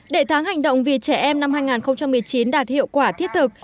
để tháng hành động vì trẻ em năm hai nghìn một mươi chín đạt hiệu quả thiết thực